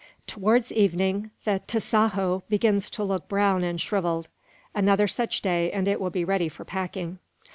Towards evening, the tasajo begins to look brown and shrivelled. Another such day and it will be ready for packing.